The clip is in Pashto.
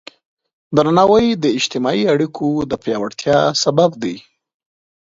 درناوی د اجتماعي اړیکو د پیاوړتیا سبب دی.